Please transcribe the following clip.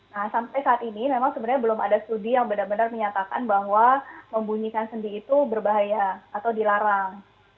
nah sampai saat ini memang sebenarnya belum ada studi yang benar benar menyatakan bahwa membunyikan sendi itu berbahaya atau dilarang